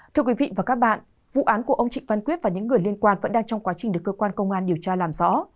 thưa quý vị và các bạn vụ án của ông trịnh văn quyết và những người liên quan vẫn đang trong quá trình được cơ quan công an điều tra làm rõ